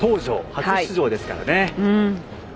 初出場ですからね。